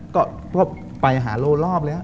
ก็เพราะว่าไปหาโลล์ดรอบเลย